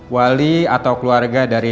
wali atau keluarga dari